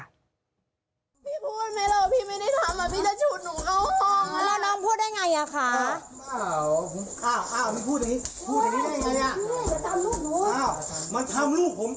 พี่พูดมั้ยหรอพี่ไม่ได้ทำอะพี่จะฉุดหนูเข้าห้องต